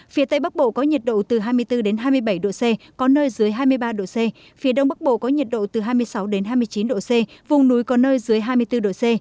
phía tây bắc bộ có nhiệt độ từ hai mươi bốn hai mươi bảy độ c có nơi dưới hai mươi ba độ c phía đông bắc bộ có nhiệt độ từ hai mươi sáu hai mươi chín độ c vùng núi có nơi dưới hai mươi bốn độ c